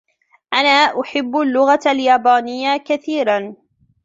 أنا أحب اللغة اليابانية كثيراً.